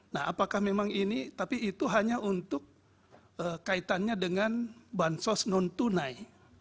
nah apakah memang ini tapi itu hanya untuk kaitannya dengan bansos non tunai